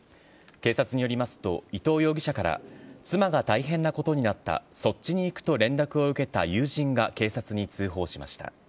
警察によりますと、伊藤容疑者から、妻が大変なことになった、そっちに行くと連絡を受けた友人が警察に通報しました。